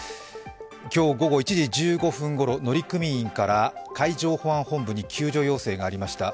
今日午後１時１５分ごろ乗組員から海上保安本部に救助要請がありました。